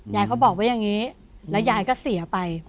ยายเขาบอกไว้อย่างนี้แล้วยายก็เสียไป